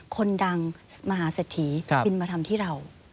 คนดังมหาเศรษฐีบินมาทำที่เรา